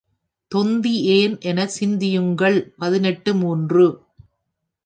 தொந்தி ஏன் என சிந்தியுங்கள் பதினெட்டு மூன்று.